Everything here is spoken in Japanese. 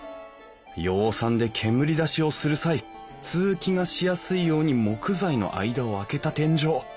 養蚕で煙出しをする際通気がしやすいように木材の間をあけた天井。